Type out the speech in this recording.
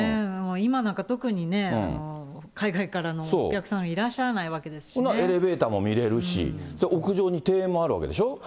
今なんか特にね、海外からのお客さん、エレベーターも見れるし、屋上に庭園もあるわけでしょ。